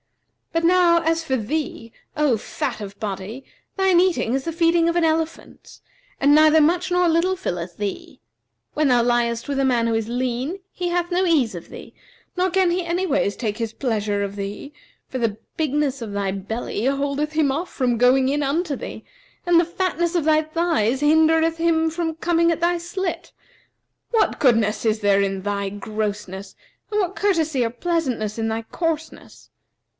But now, as for thee, O fat of body, thine eating is the feeding of an elephant, and neither much nor little filleth thee. When thou liest with a man who is lean, he hath no ease of thee; nor can he anyways take his pleasure of thee; for the bigness of thy belly holdeth him off from going in unto thee and the fatness of thy thighs hindereth him from coming at thy slit. What goodness is there in thy grossness, and what courtesy or pleasantness in thy coarseness?